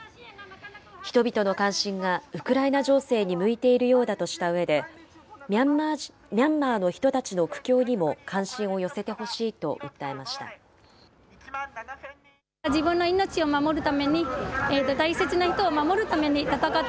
人々の関心がウクライナ情勢に向いているようだとしたうえで、ミャンマーの人たちの苦境にも関心を寄せてほしいと訴えました。